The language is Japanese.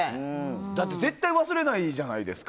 だって絶対忘れないじゃないですか。